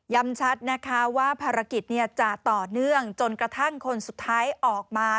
ชัดนะคะว่าภารกิจจะต่อเนื่องจนกระทั่งคนสุดท้ายออกมา